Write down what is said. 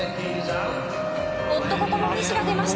おっと、ここもミスが出ました。